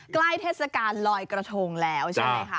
เทศกาลลอยกระทงแล้วใช่ไหมคะ